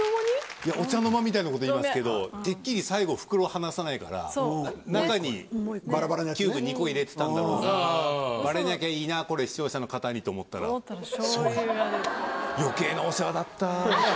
いやお茶の間みたいなこと言いますけどてっきり最後袋離さないから中にキューブ２個入れてたんだろうなバレなきゃいいなこれ視聴者の方にと思ったらしょうゆ余計なお世話だった